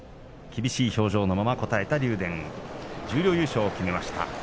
厳しい表情で答えてくれました竜電十両優勝を決めました。